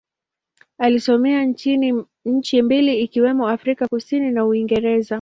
Alisomea nchi mbili ikiwemo Afrika Kusini na Uingereza.